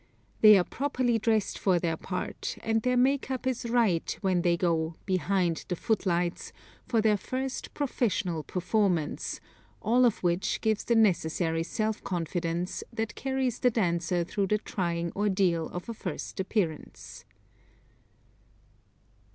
They are properly dressed for their part, and their makeup is right when they go "behind the footlights" for their first professional performance all of which gives the necessary self confidence that carries the dancer through the trying ordeal of a first appearance.